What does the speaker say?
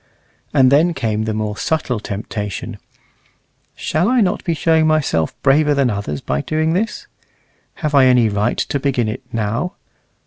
And then came the more subtle temptation, "Shall I not be showing myself braver than others by doing this? Have I any right to begin it now?